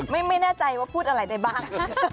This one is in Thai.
ไม่แน่ใจว่าพูดอะไรได้บ้าง